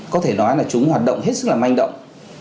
có thể nói là chúng hoạt động hết sức là manh động